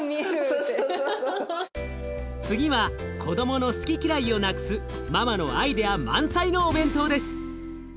次は子どもの好き嫌いをなくすママのアイデア満載のお弁当です。